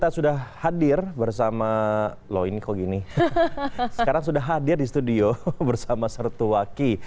sertu waki selamat pagi